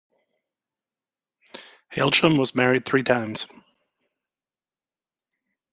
Hailsham was married three times.